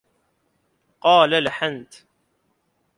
قَالَ لَحَنْتَ